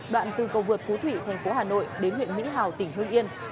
đoạn từ cầu vượt phú thủy thành phố hà nội đến huyện mỹ hào tỉnh hương yên